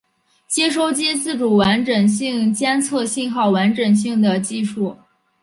接收机自主完整性监测信号完整性的技术。